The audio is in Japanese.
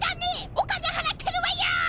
お金払ってるわよ！